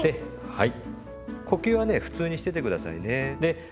はい。